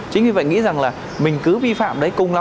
chính vì vậy nghĩ rằng là mình cứ vi phạm đấy cùng lắm